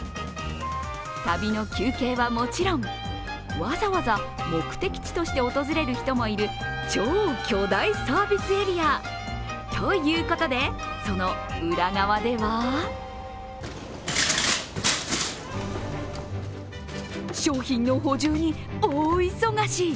旅の休憩はもちろん、わざわざ目的地として訪れる人もいる超巨大サービスエリア。ということで、その裏側では商品の補充に大忙し。